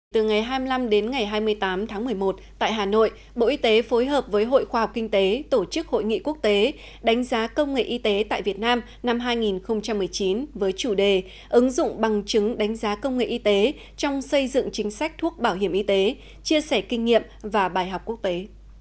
từ ngày hai mươi năm đến ngày hai mươi tám tháng một mươi một tại hà nội bộ y tế phối hợp với hội khoa học kinh tế tổ chức hội nghị quốc tế đánh giá công nghệ y tế tại việt nam năm hai nghìn một mươi chín với chủ đề ứng dụng bằng chứng đánh giá công nghệ y tế trong xây dựng chính sách thuốc bảo hiểm y tế chia sẻ kinh nghiệm và bài học quốc tế